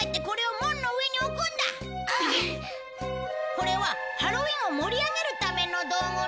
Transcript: これはハロウィンを盛り上げるための道具なんだ。